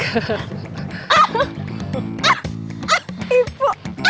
ah ah ah ibu